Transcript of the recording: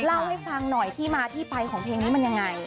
เล่าให้ฟังหน่อยที่มาที่ไปของเพลงนี้มันยังไง